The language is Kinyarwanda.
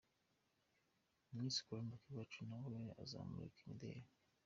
Miss Colombe Akiwacu nawe azamurika imideli.